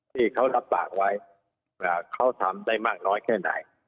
ที่เขารับปากไว้ว่าเขาทำได้มากน้อยแค่ไหน